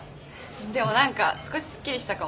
でも何か少しすっきりしたかも。ああ。